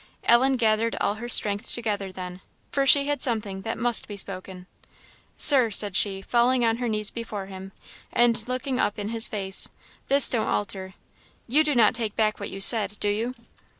Ellen gathered all her strength together then, for she had something that must be spoken. "Sir," said she, falling on her knees before him, and looking up in his face "this don't alter you do not take back what you said, do you?"